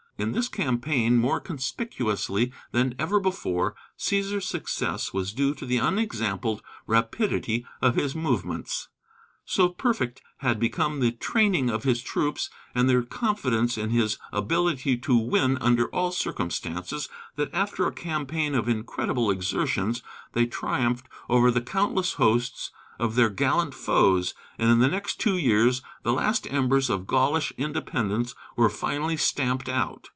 In this campaign, more conspicuously than ever before, Cæsar's success was due to the unexampled rapidity of his movements. So perfect had become the training of his troops and their confidence in his ability to win under all circumstances, that after a campaign of incredible exertions they triumphed over the countless hosts of their gallant foes, and in the next two years the last embers of Gaulish independence were finally stamped out.